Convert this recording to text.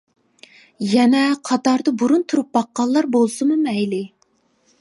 يەنە قاتاردا بۇرۇن تۇرۇپ باققانلار بولسىمۇ مەيلى.